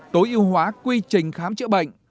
tối ưu hóa quy trình khám chữa bệnh